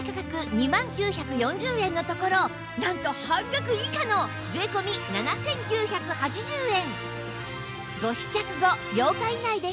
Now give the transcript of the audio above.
２万９４０円のところなんと半額以下の税込７９８０円